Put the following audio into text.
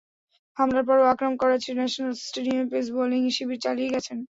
হামলার পরও আকরাম করাচির ন্যাশনাল স্টেডিয়ামে পেস বোলিং শিবির চালিয়ে গেছেন।